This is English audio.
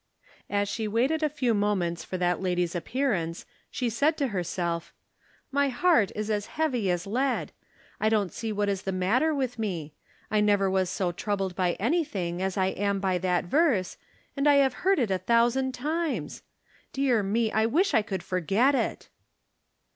As she waited a few moments for that lady's appearance she said to herself :" My heart is as heavy as lead. I don't see what is the matter with me. I never was so troubled by anj thing as I am by that verse, and I have heard it a thou sand times. Dear me, I wish I could forget it."